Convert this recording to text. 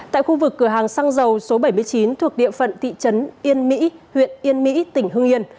tại khu vực cửa hàng xăng dầu số bảy mươi chín thuộc địa phận thị trấn yên mỹ huyện yên mỹ tỉnh hưng yên